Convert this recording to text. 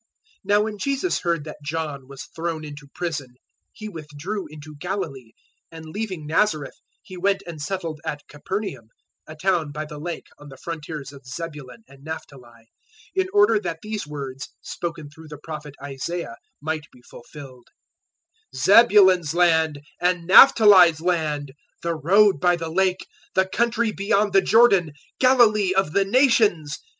004:012 Now when Jesus heard that John was thrown into prison, He withdrew into Galilee, 004:013 and leaving Nazareth He went and settled at Capernaum, a town by the Lake on the frontiers of Zebulun and Naphtali, 004:014 in order that these words, spoken through the Prophet Isaiah, might be fulfilled, 004:015 "Zebulun's land and Naphtali's land; the road by the Lake; the country beyond the Jordan; Galilee of the Nations!